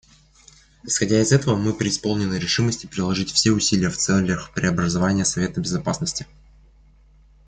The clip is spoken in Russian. Исходя из этого мы преисполнены решимости приложить все усилия в целях преобразования Совета Безопасности.